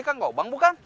ini kang gobang bukan